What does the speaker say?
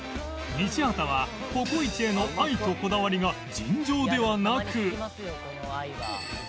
西畑はココイチへの愛とこだわりが尋常ではなく